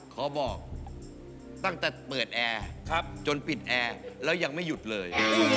ขอบอกตั้งแต่เปิดแอร์จนปิดแอร์แล้วยังไม่หยุดเลย